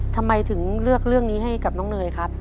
ทำไมถึงเลือกเรื่องนี้ให้กับน้องเนยครับ